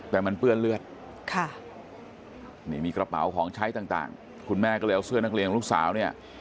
แต่มันเปื้อนเลือดค่ะนี่มีกระเป๋าของใช้ต่างคุณแม่ก็เลยเอาเสื้อนักเรียนของลูกสาวเนี่ย